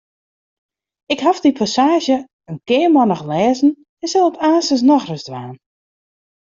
Ik haw dy passaazje in kearmannich lêzen en sil it aanstens noch ris dwaan.